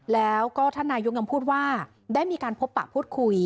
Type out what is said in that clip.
แล้วก็ท่านนายกยังพูดว่าได้มีการพบปะพูดคุย